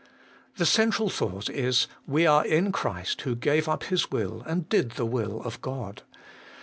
4. The central thought is : We are in Christ, who gave up His will and did the will of God.